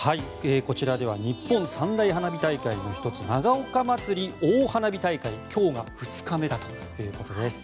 こちらでは日本三大花火大会の１つ長岡まつり大花火大会今日が２日目だということです。